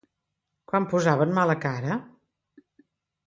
Quan posaven mala cara?